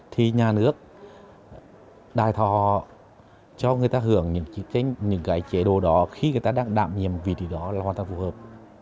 thì nhà nước đài thò cho người ta hưởng những cái chế độ đó khi người ta đang đạm nhiệm vị trí đó là hoàn toàn phù hợp